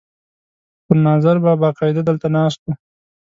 خو ناظر به باقاعده دلته ناست و.